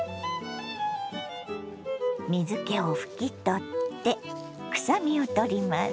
水けを拭き取って臭みをとります。